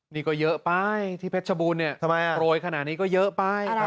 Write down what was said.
นี่ก็เยอะไปที่เพชรชบูรณเนี่ยทำไมโปรยขนาดนี้ก็เยอะไป